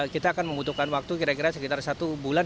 kita akan membutuhkan waktu kira kira sekitar satu bulan